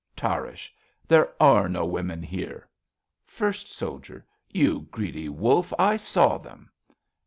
Tarrasch. There are no women here. First Soldier. You greedy wolf, I saw them.